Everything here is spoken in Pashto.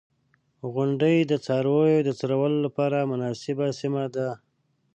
• غونډۍ د څارویو د څرولو لپاره مناسبه سیمه ده.